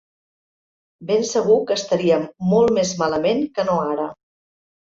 Ben segur que estaríem molt més malament que no ara.